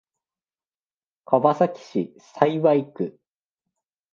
川崎市幸区